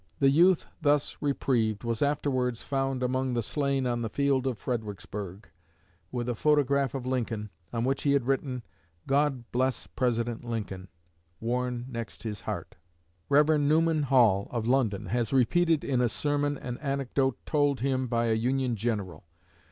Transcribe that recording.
The youth thus reprieved was afterwards found among the slain on the field of Fredericksburg, with a photograph of Lincoln, on which he had written, "God bless President Lincoln," worn next his heart. Rev. Newman Hall, of London, has repeated in a sermon an anecdote told him by a Union general.